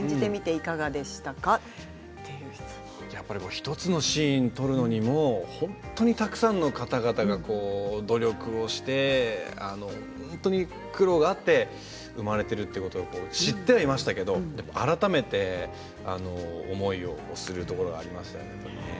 １つのシーンを撮るのにも本当にたくさんの方々が努力をして苦労があって生まれているということ知ってはいましたけれども改めて思いをするところがありましたね。